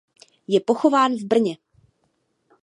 Je pochován v Brně.